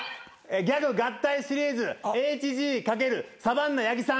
ギャグ合体シリーズＨＧ×サバンナ八木さん。